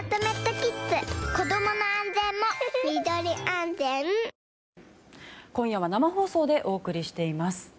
あー今夜は生放送でお送りしています。